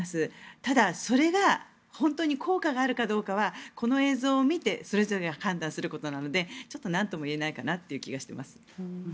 ただ、それが本当に効果があるかどうかはこの映像を見てそれぞれが判断することなのでちょっとなんとも言えないかなという気がしています。